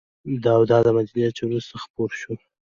او دا مدنيت چې وروسته وروسته خپور شوى